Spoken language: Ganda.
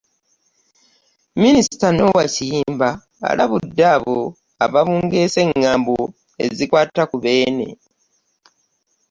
Minisita Noah Kiyimba alabudde abo ababungeesa engambo ezikwata ku Beene